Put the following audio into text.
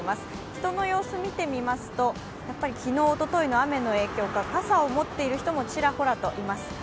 人の様子見てみますと、昨日、おとといの雨の影響か、傘を持っている人もちらほらといます。